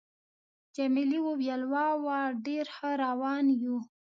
جميلې وويل:: وا وا، ډېر ښه روان یو.